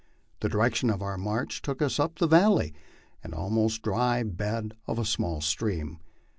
The direction of our march took us up the valley and almost dry bed of a small stream.